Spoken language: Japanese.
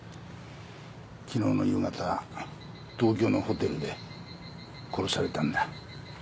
昨日の夕方東京のホテルで殺されたんだ。